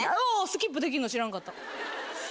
スキップできるの知らんかった。